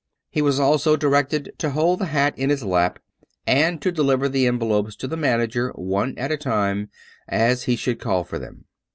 He was also directed to hold the hat in his lap, and to deliver the envelopes to the manager, one at a time, as he should call for them.